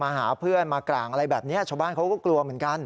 หาเพื่อนมากร่างอะไรแบบนี้ชาวบ้านเขาก็กลัวเหมือนกัน